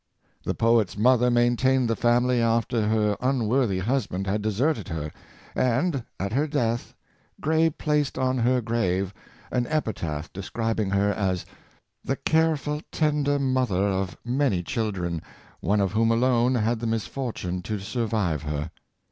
The poet's mother maintained the family after her unworthy hus band had deserted her; and, at her death, Gray placed on her grave, an epitaph describing her as " the careful, tender mother of many children, one of whom alone had the misfortune to survive her."